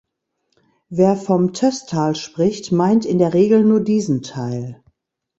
Wer vom Tösstal spricht meint in der Regel nur diesen Teil.